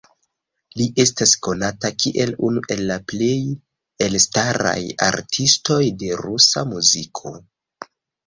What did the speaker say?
Li estas konata kiel unu el la plej elstaraj artistoj de rusa muziko.